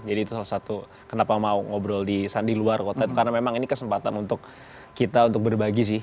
jadi itu salah satu kenapa mau ngobrol di luar kota itu karena memang ini kesempatan untuk kita untuk berbagi sih